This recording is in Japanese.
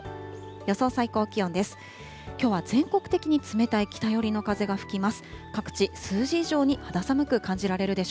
予想最高気温です。